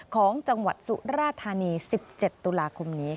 ของจังหวัดสุราธานี๑๗ตุลาคมนี้